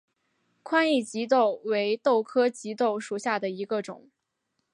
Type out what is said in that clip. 宽翼棘豆为豆科棘豆属下的一个种。